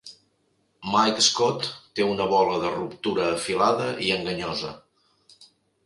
Mike Scott té una bola de ruptura afilada i enganyosa.